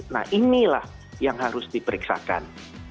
nah inilah yang harus diperiksakan